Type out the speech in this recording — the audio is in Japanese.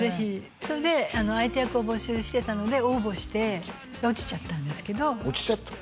それで相手役を募集してたので応募して落ちちゃったんですけど落ちちゃった？